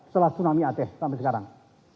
setelah tsunami aceh sampai sekarang